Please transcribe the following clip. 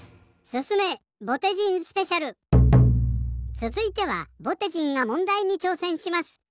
つづいてはぼてじんがもんだいにちょうせんします。